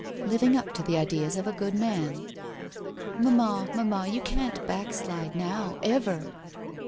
Living up to the ideas of a good man." "Mamma! Mamma! you can't backslide now ^ ever.'